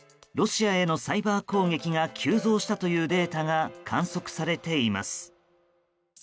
ロシアへのサイバー攻撃が急増したというデータが観測されています。